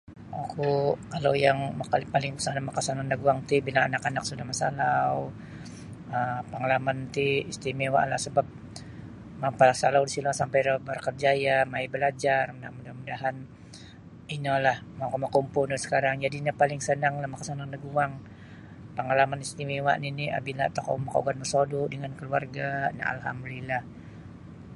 Oku kalau yang makali' paling makasanang daguang ti bila anak-anak sudah masalau um pangalaman ti istimewalah sebap mapasalau disiro sampai iro berkerjaya mai' balajar mudah-mudahan inolah makamakumpu nio sakarang jadi' ino paling sanang makasanang daguang. Pangalaman istimewa nini' bila tokou makaugad mosodu' dengan kaluarga' alhamdulillah.